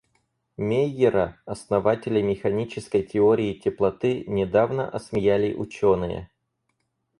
Мейера, основателя механической теории теплоты, недавно осмеяли ученые.